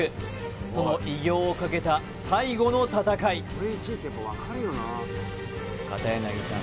その偉業をかけた最後の戦い片柳さん